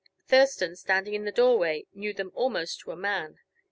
Thurston, standing in the doorway, knew them almost to a man.